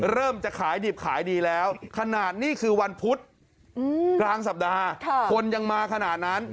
จะขายดิบขายดีแล้วขนาดนี้คือวันพุธกลางสัปดาห์คนยังมาขนาดนั้น